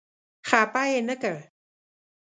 خپه یې نه کړ.